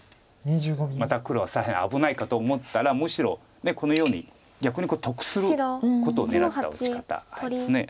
また黒は左辺危ないかと思ったらむしろこのように逆に得することを狙った打ち方です。